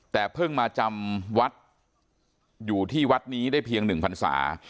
แต่เพิ่งมาจำวัดอยู่ที่วัดนี้ได้เพียง๑พันศา